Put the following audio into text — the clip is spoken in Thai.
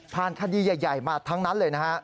คดีใหญ่มาทั้งนั้นเลยนะฮะ